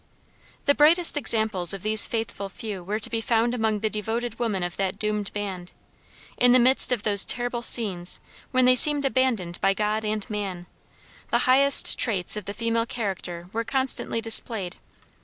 The brightest examples of these faithful few were to be found among the devoted women of that doomed band. In the midst of those terrible scenes when they seemed abandoned by God and man, the highest traits of the female character were constantly displayed.